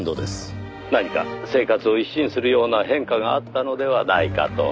「何か生活を一新するような変化があったのではないかと」